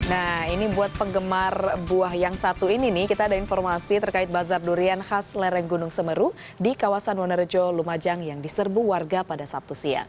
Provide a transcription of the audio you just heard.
nah ini buat penggemar buah yang satu ini nih kita ada informasi terkait bazar durian khas lereng gunung semeru di kawasan wonerjo lumajang yang diserbu warga pada sabtu siang